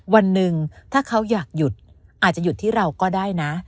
วันหนึ่งถ้าเขาอยากหยุดอาจจะหยุดที่เราก็ได้นะ